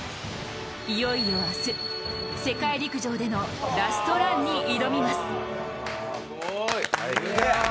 いよいよ明日、世界陸上でのラストランに挑みます。